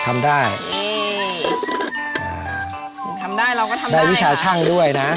ทำได้เราก็ทำได้ค่ะได้วิชาชั่งด้วยนะ